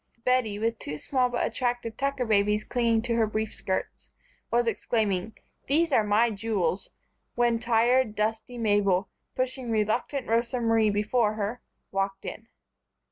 Bettie, with two small but attractive Tucker babies clinging to her brief skirts, was exclaiming: "These are my jewels," when tired, dusty Mabel, pushing reluctant Rosa Marie before her, walked in.